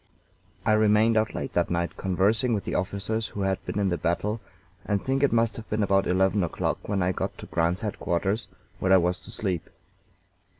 I remained out late that night conversing with the officers who had been in the battle, and think it must have been about eleven o'clock when I got to Grant's headquarters, where I was to sleep.